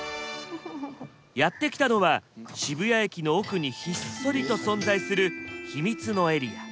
やって来たのは渋谷駅の奥にひっそりと存在する秘密のエリア。